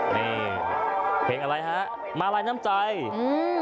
นี่เพลงอะไรฮะมาลัยน้ำใจอืม